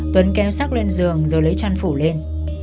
tuấn kéo sắc lên giường rồi lấy chăn phủ lên